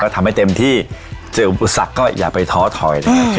ทำให้เต็มที่เจออุปสรรคก็อย่าไปท้อถอยนะครับ